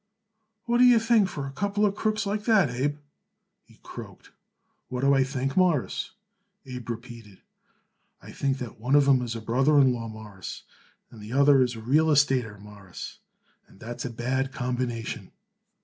"What do you think for a couple of crooks like that, Abe?" he croaked. "What do I think, Mawruss?" Abe repeated. "I think that one of 'em is a brother in law, Mawruss, and the other is a real estater, Mawruss, and that's a bad combination."